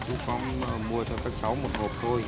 chú không mua cho các cháu một hộp thôi